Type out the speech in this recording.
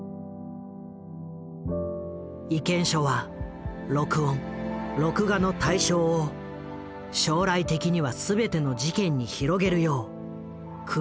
意見書は録音録画の対象を将来的には全ての事件に広げるようくぎを刺す内容となった。